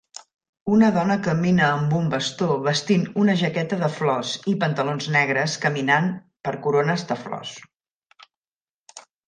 Una dona camina amb un bastó vestint una jaqueta de flors i pantalons negres, caminant per corones de flors.